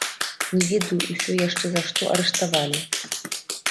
Не ведаю ўсё яшчэ за што арыштавалі.